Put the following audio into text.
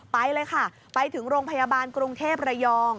ไปเลยค่ะไปถึงโรงพยาบาลกรุงเทพระยอง